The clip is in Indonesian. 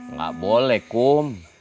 nggak boleh kum